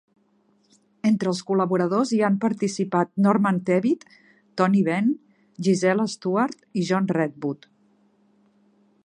Entre els col·laboradors hi han participat Norman Tebbit, Tony Benn, Gisela Stuart i John Redwood.